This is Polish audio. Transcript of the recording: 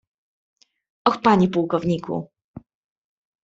"Och, panie pułkowniku!..."